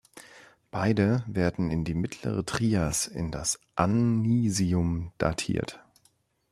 Beide werden in die mittlere Trias, in das Anisium datiert.